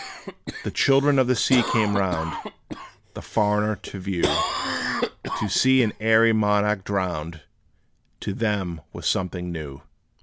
The children of the sea came round, The foreigner to view. To see an airy monarch drowned, To them was something new!